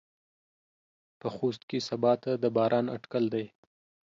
په خوست کې سباته د باران اټکل دى.